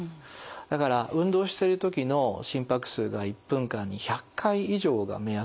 だから運動してる時の心拍数が一分間に１００回以上が目安ですね。